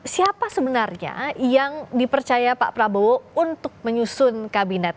siapa sebenarnya yang dipercaya pak prabowo untuk menyusun kabinet